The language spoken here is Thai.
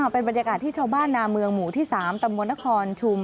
เป็นบรรยากาศที่ชาวบ้านนาเมืองหมู่ที่๓ตำบลนครชุม